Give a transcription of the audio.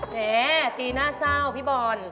แม่ตีหน้าเศร้าพี่บอล